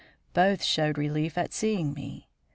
Both showed relief at seeing me.